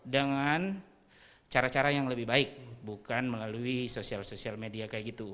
dengan cara cara yang lebih baik bukan melalui sosial sosial media kayak gitu